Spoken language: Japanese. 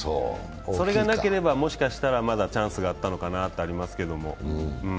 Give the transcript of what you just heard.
それがなければもしかしたらまだチャンスがあったのかなというのはありますけれども。